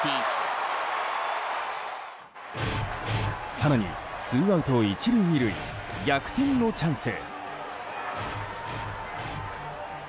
更にツーアウト１塁２塁逆転のチャンス。